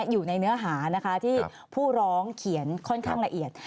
อยู่ในเนื้อหานะคะที่ผู้ร้องเขียนค่อนข้างละเอียด